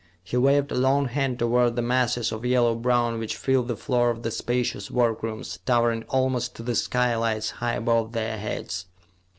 He waved a long hand toward the masses of yellow brown which filled the floor of the spacious workrooms, towering almost to the skylights, high above their heads.